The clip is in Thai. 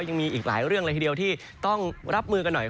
ยังมีอีกหลายเรื่องเลยทีเดียวที่ต้องรับมือกันหน่อย